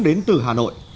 đến từ hà nội